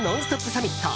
サミット。